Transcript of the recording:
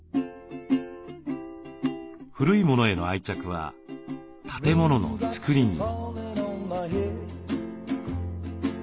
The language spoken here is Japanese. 古いものへの愛着は建物の造りにも。